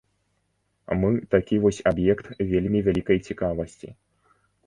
Мы такі вось аб'ект вельмі вялікай цікавасці.